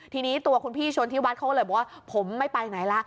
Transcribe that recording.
ทีนี้ตัวคุณพี่ชนธิวัฒน์เขาก็เลยบอกว่าผมไม่ไปไหนล่ะ